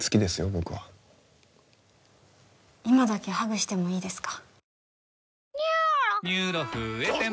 僕は今だけハグしてもいいですか？